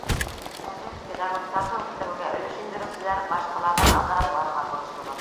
Ә беҙ, педагогтарҙы үҫтереүгә өлөш индереүселәр, башҡаларҙан алдараҡ барырға бурыслыбыҙ.